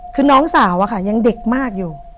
คือน้องสาวอะค่ะยังเด็กมากอยู่